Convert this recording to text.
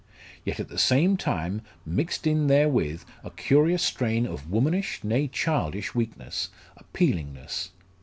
Yet at the same time, mixed in therewith, a curious strain of womanish, nay childish, weakness, appealingness.